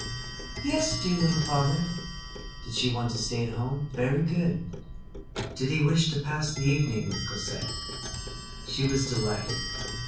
"Yes, dear little father." Did she want to stay at home? Very good. Did he wish to pass the evening with Cosette? She was delighted.